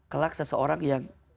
kelak seseorang yang